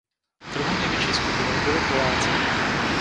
Druhou největší skupinou byli Poláci.